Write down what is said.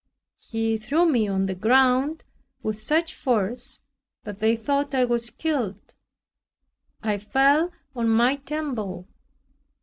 He threw me on the ground with such force that they thought I was killed. I fell on my temple.